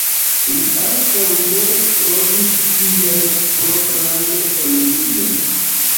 Li ankaŭ ne trovis sian propran familion.